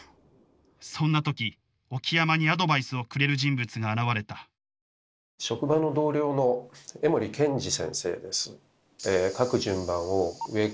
そんなとき沖山にアドバイスをくれる人物が現れた職場の同僚の江守賢治先生です。